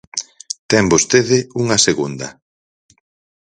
Ten vostede unha segunda.